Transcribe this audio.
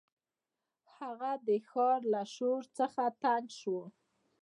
هغه د ښار له شور څخه تنګ شو.